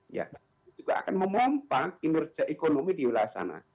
itu juga akan memompak kinerja ekonomi di wilayah sana